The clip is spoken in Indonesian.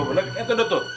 ayo duduk duduk